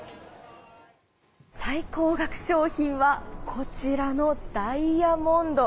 最高額商品はこちらのダイヤモンド。